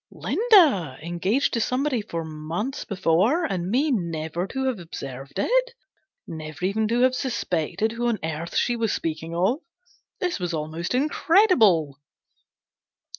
Linda engaged to somebody for months before, and me never to have observed it ! Never even to have suspected who on earth she was speaking of! This was almost incredible.